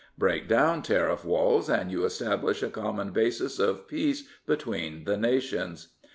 Break down tariff walls, and you establish a common basis of peace between the nations.